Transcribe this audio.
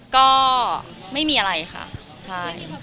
ก็ไม่มีอะไรค่ะ